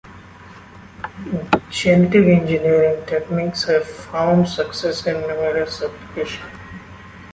Genetic engineering techniques have found success in numerous applications.